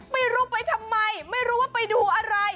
ไม่รู้ไปทำไมไม่รู้ว่าไปดูอะไร